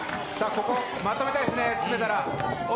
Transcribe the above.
ここ、まとめたいですね、詰めたら。